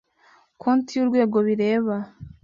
konti y urwego bireba